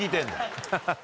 アハハハ。